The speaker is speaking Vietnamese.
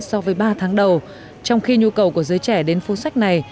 so với ba tháng đầu trong khi nhu cầu của giới trẻ đến phố sách này